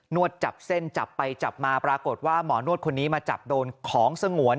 วดจับเส้นจับไปจับมาปรากฏว่าหมอนวดคนนี้มาจับโดนของสงวน